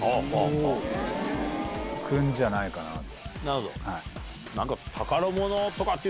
じゃないかなと。